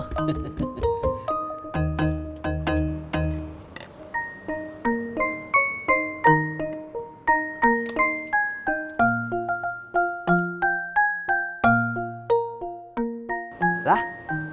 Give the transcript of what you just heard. sampai jumpa lagi